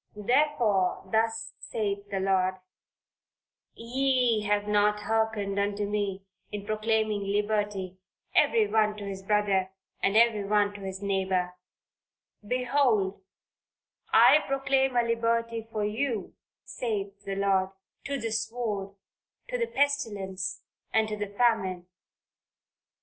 "Therefore, thus saith the Lord ye have not hearkened unto me in proclaiming liberty every one to his brother, and every one to his neighbor behold I proclaim a liberty for you saith the Lord, to the sword, to the pestilence and to the famine."